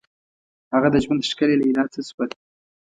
هغه د ژوند ښکلي لیلا څه شوه؟